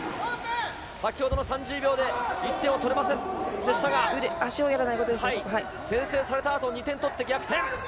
先ほどの３０秒で１点を取れませんでしたが先制されたあと、２点取って逆転。